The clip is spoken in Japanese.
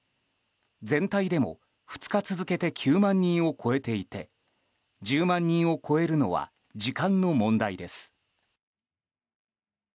全体でも２日続けて９万人を超えていて１０万人を超えるのは時間の問題です。